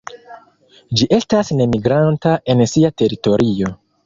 Ĝi estas nemigranta en sia teritorio.